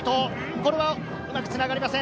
これはうまくつながりません。